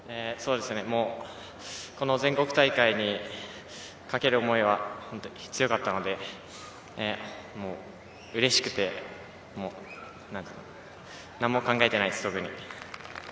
この全国大会にかける思いは強かったので、うれしくて、何も考えていないです、特に。